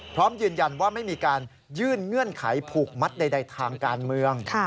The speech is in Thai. พร้อมยืนยันว่าไม่มีการยื่นเงื่อนไขผูกมัดใดทางการเมือง